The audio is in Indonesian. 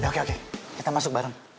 kita masuk bareng